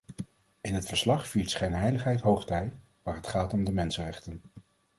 In het verslag viert schijnheiligheid hoogtij waar het gaat om de mensenrechten.